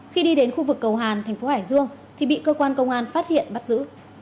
khi đi đến khu vực cầu hàn thành phố hải dương thì bị cơ quan công an phát hiện bắt giữ